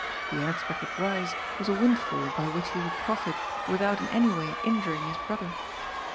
The unexpected rise was a windfall by which he would profit without in any way injuring his brother.